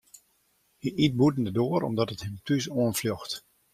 Hy yt bûten de doar omdat it him thús oanfljocht.